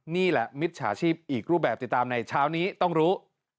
นี่แหละมิจฉาชีพอีกรูปแบบติดตามในเช้านี้ต้องรู้